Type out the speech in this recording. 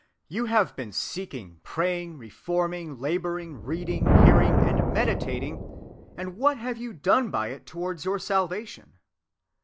You have been seeking, praying, reforming, laboring, reading, hearing, and meditating, and what have you done by it towards your salvation?